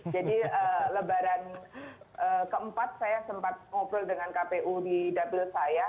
jadi lebaran keempat saya sempat ngobrol dengan kpu di dapil saya